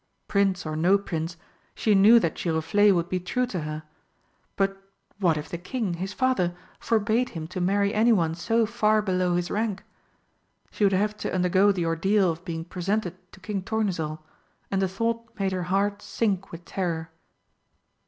Prince or no Prince, she knew that Giroflé would be true to her but what if the King, his father, forbade him to marry anyone so far below his rank? She would have to undergo the ordeal of being presented to King Tournesol, and the thought made her heart sink with terror.